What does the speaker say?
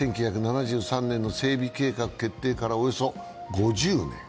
１９７３年の整備計画決定からおよそ５０年。